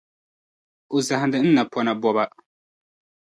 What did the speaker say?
o zahindi n napɔna bɔba.